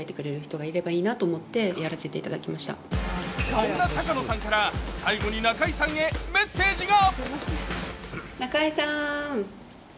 そんな高野さんから最後に中井さんにメッセージが。